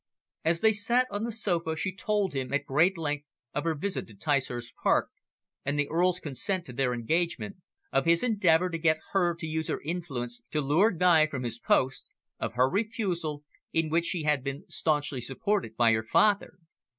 As they sat on the sofa, she told him at great length of her visit to Ticehurst Park, and the Earl's consent to their engagement, of his endeavour to get her to use her influence to lure Guy from his post, of her refusal, in which she had been staunchly supported by her father.